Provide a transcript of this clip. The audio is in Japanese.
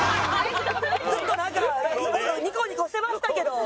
ずっとなんかニコニコしてましたけど。